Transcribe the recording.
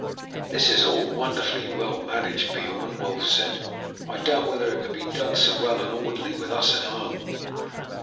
"This is all wonderfully well managed, Beorn," Wulf said. "I doubt whether it could be done so well and orderly with us at home."